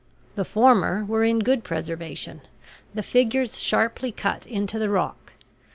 The former were in good preservation, the figures sharply cut into the rock.